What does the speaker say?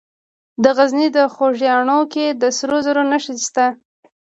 د غزني په خوږیاڼو کې د سرو زرو نښې شته.